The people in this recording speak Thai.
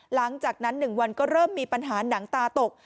หลังจากนั้น๑วันก็เริ่มมีปัญหาหนังตาตก